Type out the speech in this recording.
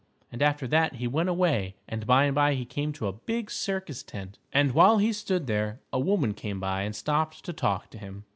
And after that he went away and by and by he came to a big circus tent. And while he stood there, a woman came by and stopped to talk to him.